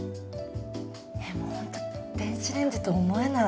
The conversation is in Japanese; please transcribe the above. えもうほんと電子レンジと思えない。